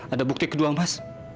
ada bukti kedua mas